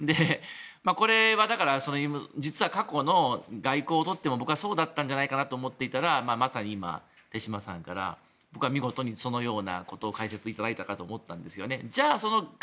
これは実は過去の外交目標があった時にも僕はそうだったんじゃないかと思っていたらまさに今、手嶋さんから見事にそのようなことを解説していただいたと思ったんですよね。